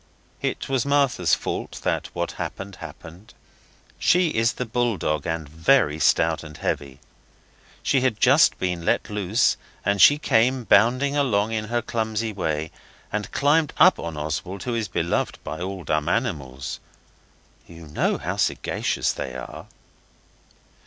It was Martha's fault that what happened happened. She is the bull dog, and very stout and heavy. She had just been let loose and she came bounding along in her clumsy way, and jumped up on Oswald, who is beloved by all dumb animals. (You know how sagacious they are.)